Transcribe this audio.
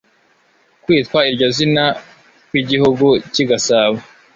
Kwitwa iryo zina kw'Igihugu cy'I Gasabo,